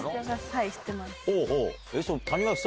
はい知ってます。